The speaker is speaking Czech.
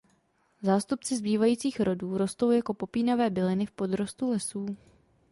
Zástupci zbývajících rodů rostou jako popínavé byliny v podrostu lesů.